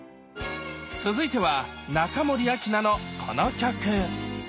続いては中森明菜のこの曲！